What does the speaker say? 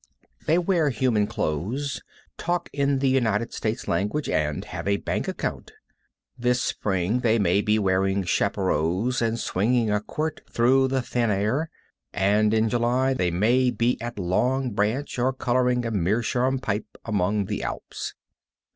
They wear human clothes, talk in the United States language, and have a bank account. This spring they may be wearing chaparajos and swinging a quirt through the thin air, and in July they may be at Long Branch, or coloring a meerschaum pipe among the Alps.